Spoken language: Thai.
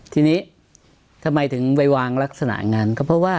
ทีนี้ทำไมถึงไปวางลักษณะงานก็เพราะว่า